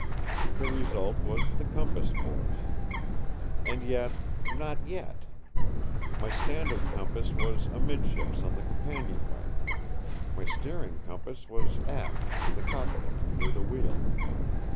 The result was the Compass Course. And yet, not yet. My standard compass was amidships on the companionway. My steering compass was aft, in the cockpit, near the wheel.